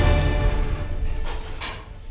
aku akan menjaga dia